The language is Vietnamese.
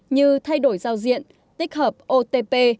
như thay đổi giao diện tích hợp otp